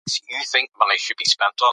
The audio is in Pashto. بریا ته رسېدل سخت کار دی.